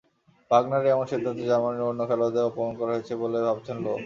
ভাগনারের এমন সিদ্ধান্তে জার্মানির অন্য খেলোয়াড়দের অপমান করা হয়েছে বলে ভাবছেন লো।